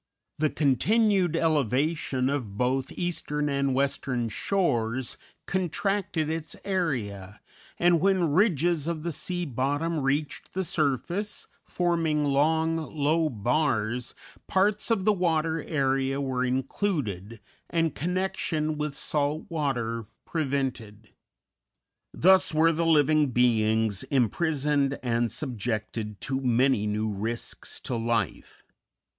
The continued elevation of both eastern and western shores contracted its area, and when ridges of the sea bottom reached the surface, forming long, low bars, parts of the water area were included, and connection with salt water prevented. Thus were the living beings imprisoned and subjected to many new risks to life.